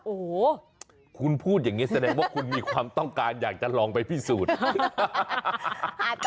โอ้โหคุณพูดอย่างนี้แสดงว่าคุณมีความต้องการอยากจะลองไปพิสูจน์